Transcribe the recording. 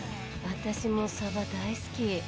私もサバ大好き。